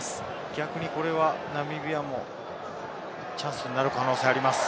逆にナミビアもチャンスになる可能性があります。